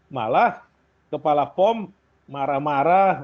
malah kepala pom marah marah